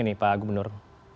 ini pak gubernur